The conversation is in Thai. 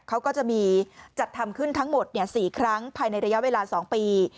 เขาก็จะมีจัดทำขึ้นทั้งหมด๔ครั้งภายในระยะเวลา๒ปี